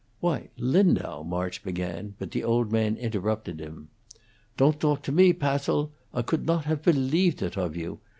"Why, Lindau," March began, but the old man interrupted him. "Ton't dalk to me, Passil! I could not haf believedt it of you.